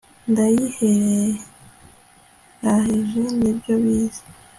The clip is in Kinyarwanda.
Ndayiheraheje ni byo bizi